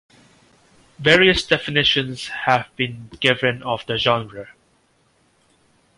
Various definitions have been given of the genre.